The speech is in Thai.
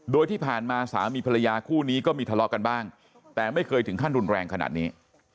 โดยที่ผ่านมาสามีภรรยาคู่นี้ก็มีทะเลาะกันบ้างแต่ไม่เคยถึงขั้นรุนแรงขนาดนี้